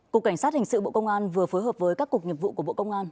cục cảnh sát hình sự bộ công an vừa phối hợp với các cục nghiệp vụ của bộ công an